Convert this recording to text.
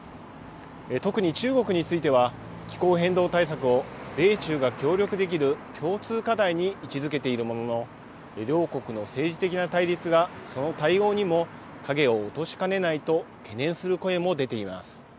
特に中国については、気候変動対策を米中が協力できる共通課題に位置づけているものの、両国の政治的な対立がその対応にも影を落としかねないと懸念する声も出ています。